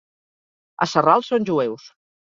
A Sarral són jueus.